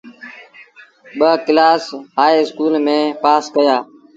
ٻآ ڪلآس هآئي اسڪول ميݩ پآس ڪيآ۔